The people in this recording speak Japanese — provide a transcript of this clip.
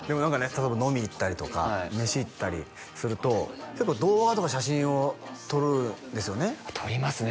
例えば飲みに行ったりとか飯行ったりすると結構動画とか写真を撮るんですよね撮りますね